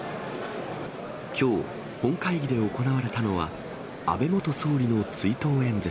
きょう、本会議で行われたのは、安倍元総理の追悼演説。